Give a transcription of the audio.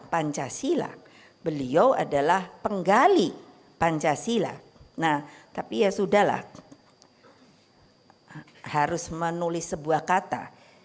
pancasila beliau adalah penggali pancasila nah tapi ya sudah lah harus menulis sebuah kata